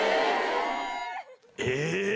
え！